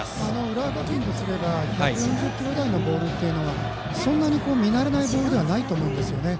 浦和学院とすれば１４０キロ台のボールはそんなに見慣れないボールではないと思うんですね。